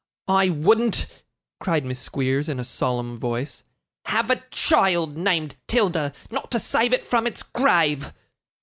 I wouldn't,' cried Miss Squeers in a solemn voice, 'have a child named 'Tilda, not to save it from its grave.